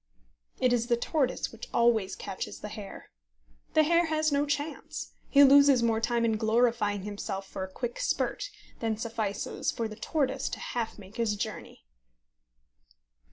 It is the tortoise which always catches the hare. The hare has no chance. He loses more time in glorifying himself for a quick spurt than suffices for the tortoise to make half his journey.